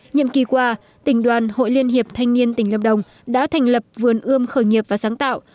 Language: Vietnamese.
nhiệm kỳ qua tỉnh đoàn hội liên hiệp thanh niên tỉnh lâm đồng đã thành lập vườn ươm khởi nghiệp và sáng tạo